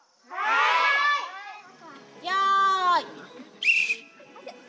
よい。